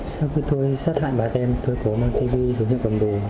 sau khi tôi xác hại bác ten tôi cố mang tv dùng hiệu cầm đồ